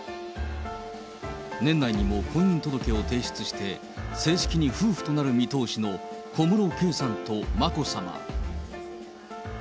年内にも婚姻届を提出して正式に夫婦となる見通しの小室圭さんと眞子さま。